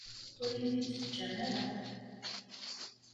Ur iyi-t-id-teǧǧam ara.